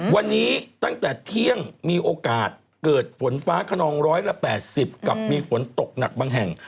วันนี้ตั้งแต่เที่ยงมีโอกาสเกิดฝนฟ้าขนองร้อยละ๘๐กับมีฝนตกหนักบางแห่ง